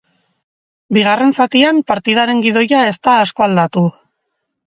Bigarren zatian, partidaren gidoia ez da asko aldatu.